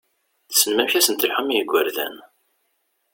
Tessnem amek ad sen-telḥum i yigurdan!